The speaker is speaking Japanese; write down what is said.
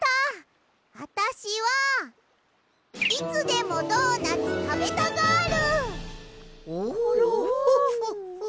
あたしはいつでもドーナツ食べたガール！おフォッフォッフォッ。